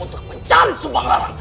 untuk menjam subanglarang